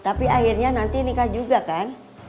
tapi akhirnya nanti nikah juga kan